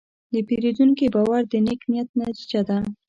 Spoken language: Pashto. د پیرودونکي باور د نیک نیت نتیجه ده.